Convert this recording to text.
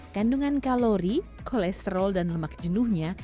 kandungan kalori kolesterol dan lemak jenuhnya